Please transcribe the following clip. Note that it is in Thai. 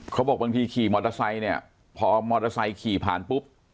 เขาบอกบางทีขี่มอเตอร์ไซค์เนี่ยพอมอเตอร์ไซค์ขี่ผ่านปุ๊บ